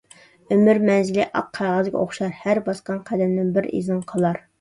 ئۆمۈر مەنزىلى ئاق قەغەزگە ئوخشار، ھەر باسقان قەدەمدىن بىر ئىزىڭ قالار.